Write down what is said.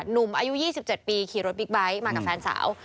หนุ่มอายุ๒๗ปีขี่รถบิ๊กไบท์มากับแฟนสาว